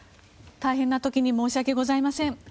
大変な時に申し訳ございません。